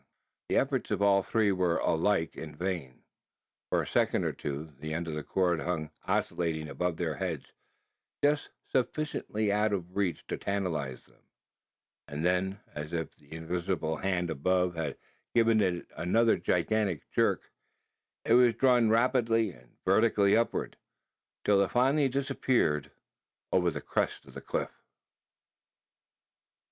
The efforts of all three were alike vain. For a second or two, the end of the cord hung oscillating above their heads just sufficiently out of reach to tantalise them; and then, as if the invisible hand above had given it another gigantic jerk, it was drawn rapidly and vertically upward, till it finally disappeared over the crest of the cliff!